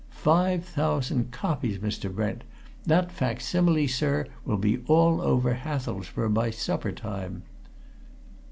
Five thousand copies, Mr. Brent! That facsimile, sir, will be all over Hathelsborough by supper time!"